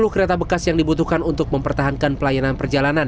sepuluh kereta bekas yang dibutuhkan untuk mempertahankan pelayanan perjalanan